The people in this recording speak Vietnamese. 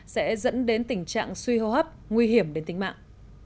sẽ dẫn đến tình trạng suy hô hấp nguy hiểm đến tính mạng